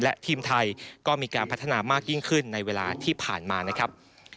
และทีมไทยก็มีการพัฒนามากยิ่งขึ้นในเวลาที่ผ่านมานะครับ